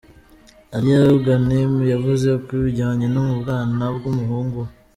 Alia Ghanem yavuze ku bijyanye no mu bwana bw'umuhungu we.